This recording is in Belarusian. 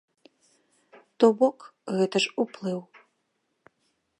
То бок, гэта ж уплыў.